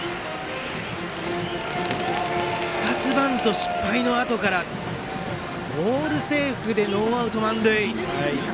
２つバント失敗のあとからオールセーフでノーアウト満塁。